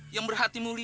yang berhati mulia